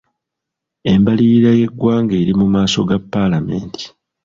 Embalirira y'eggwanga eri mu maaso ga Palamenti,